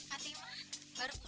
mas masuk deh